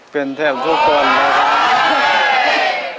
เป็นแทบทุกคนนะครับ